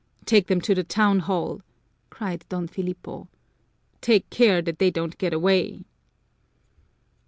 "Take them to the town hall!" cried Don Filipo. "Take care that they don't get away!"